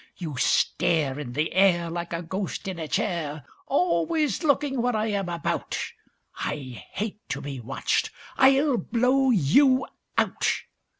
You stare In the air Like a ghost in a chair, Always looking what I am about; I hate to be watched I'll blow you out."